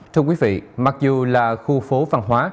thưa quý vị mặc dù là khu phố văn hóa